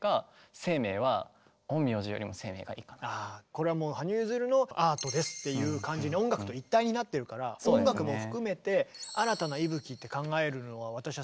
これはもう羽生結弦のアートですっていう感じに音楽と一体になってるから音楽も含めて「新たな息吹」って考えるのが私は好きだけどね。